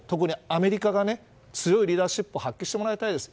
特にアメリカが強いリーダーシップを発揮してもらいたいです。